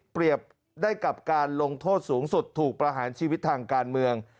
ได้กับการลงโทษสูงสุดถูกประหารชีวิตทางการเมือง